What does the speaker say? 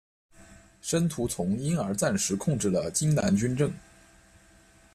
申屠琮因而暂时控制了荆南军政。